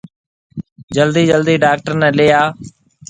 جلدِي جلدِي ڊاڪٽر نَي ليَ آ۔